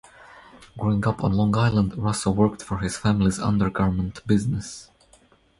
Growing up on Long Island, Russo worked for his family's undergarment business.